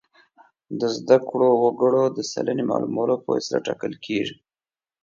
د زده کړو وګړو د سلنې معلومولو په وسیله ټاکل کیږي.